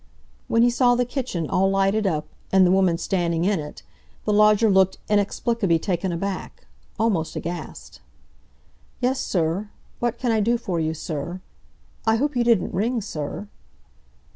When he saw the kitchen all lighted up, and the woman standing in it, the lodger looked inexplicably taken aback, almost aghast. "Yes, sir? What can I do for you, sir? I hope you didn't ring, sir?"